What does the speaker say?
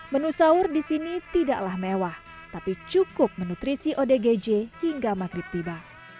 menu sahur di sini tidaklah mewah tapi cukup menutrisi odgj hingga maghrib tiba